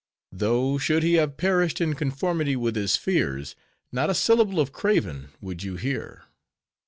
Though, should he have perished in conformity with his fears, not a syllable of craven would you hear.